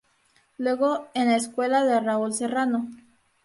Luego en la escuela de Raúl Serrano.